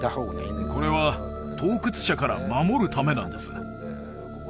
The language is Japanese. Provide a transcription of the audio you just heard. これは盗掘者から守るためなんです